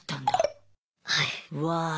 はい。